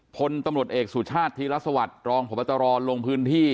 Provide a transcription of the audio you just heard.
พลตำรวจเอกสุชาติธีรสวัสดิ์รองพบตรลงพื้นที่